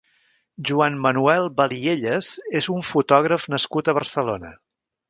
Joan Manuel Baliellas és un fotògraf nascut a Barcelona.